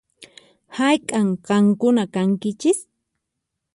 Hayk'an qankuna kankichis?